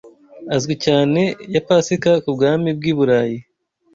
azwi cyane ya pasika kubwami bwiburayi